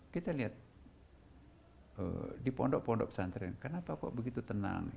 kita lihat di pondok pondok pesantren kenapa kok begitu tenang